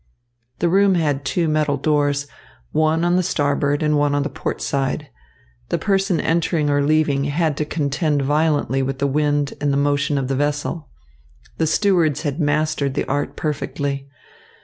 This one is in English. The room had two metal doors, one on the starboard and one on the port side. The person entering or leaving had to contend violently with the wind and the motion of the vessel. The stewards had mastered the art perfectly.